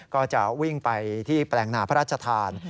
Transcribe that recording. ก็จะวิ่งไปที่แปลงนาพระราชทาน